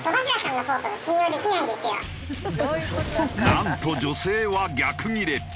なんと女性は逆ギレ。